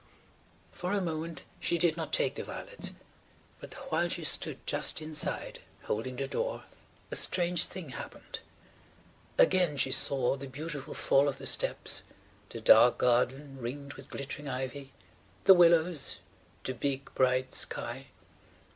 For a moment she did not take the violets. But while she stood just inside, holding the door, a strange thing happened. Again she saw the beautiful fall of the steps, the dark garden ringed with glittering ivy, the willows, the big bright sky.